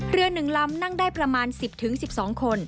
เรือ๑ลำนั่งได้ประมาณ๑๐๑๒คน